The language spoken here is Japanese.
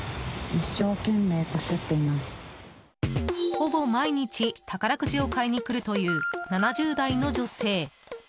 ほぼ毎日、宝くじを買いにくるという７０代の女性。